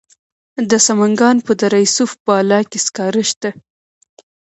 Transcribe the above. د سمنګان په دره صوف بالا کې سکاره شته.